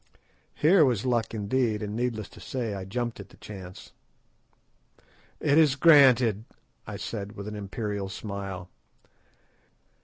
Here was luck indeed, and, needless to say, I jumped at the chance. "It is granted," I said with an imperial smile.